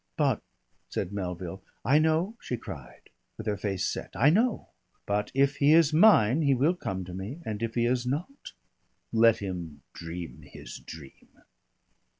"But " said Melville. "I know," she cried, with her face set, "I know. But if he is mine he will come to me, and if he is not Let him dream his dream."